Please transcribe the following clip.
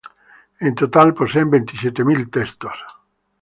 En total, poseen veintisiete mil textos.